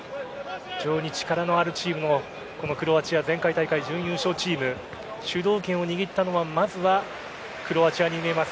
非常に力のあるチームのクロアチア前回大会準優勝チーム主導権を握ったのはまずはクロアチアに見えます。